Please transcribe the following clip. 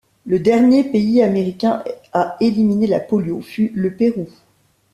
Le dernier pays américain à éliminer la polio fut le Pérou.